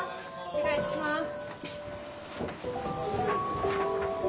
お願いします。